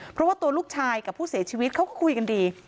เพราะว่าตัวลูกชายกับผู้เสียชีวิตเขาก็คุยกันดี